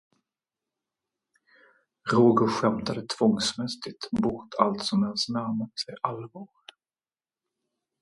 Roger skämtade tvångsmässigt bort allt som ens närmade sig allvar.